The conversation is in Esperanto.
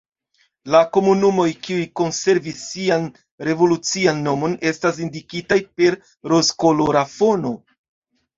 La komunumoj, kiuj konservis sian revolucian nomon estas indikitaj per rozkolora fono.